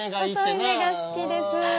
細い目が好きです。